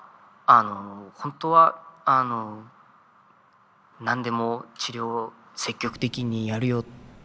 本当は何でも治療を積極的にやるよって